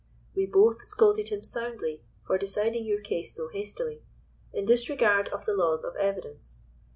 We both scolded him soundly for deciding your case so hastily, in disregard of the laws of evidence.